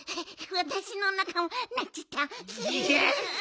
わたしのおなかもなっちゃった！